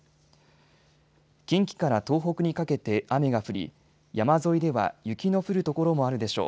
近畿から東北にかけて雨が降り山沿いでは雪の降る所もあるでしょう。